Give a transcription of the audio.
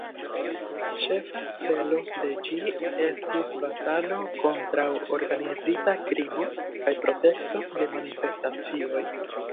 Ĉefa celo de ĝi estis batalo kontraŭ organizita krimo kaj protekto de manifestacioj.